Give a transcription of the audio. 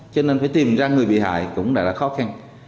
cho nên phải tìm ra người bị hại cũng đã là khó khăn